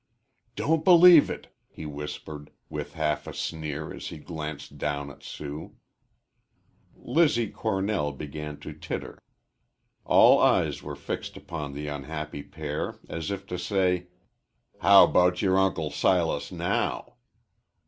"Don't believe it," he whispered, with half a sneer as he glanced down at Sue. Lizzie Cornell began to titter. All eyes were fixed upon the unhappy pair as if to say, "How about your Uncle Silas now?"